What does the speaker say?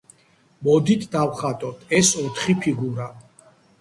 მოდით დავხატოთ ეს ოთხი ფიგურა.